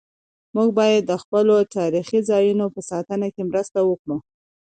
موږ باید د خپلو تاریخي ځایونو په ساتنه کې مرسته وکړو.